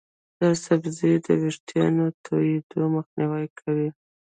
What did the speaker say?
دا سبزی د ویښتانو تویېدو مخنیوی کوي.